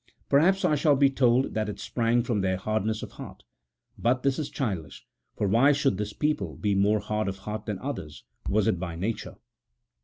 Perhaps I shall be told that it sprang from their hardness of heart; but this is childish, for why should this people be more hard of heart than others ; was it by nature